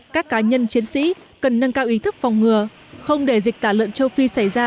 các cá nhân chiến sĩ cần nâng cao ý thức phòng ngừa không để dịch tả lợn châu phi xảy ra